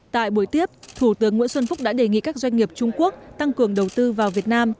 tại buổi tiếp thủ tướng nguyễn xuân phúc đã đề nghị các doanh nghiệp trung quốc tăng cường đầu tư vào việt nam